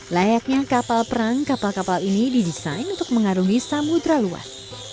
layaknya kapal perang kapal kapal ini didesain untuk mengarungi samudera luas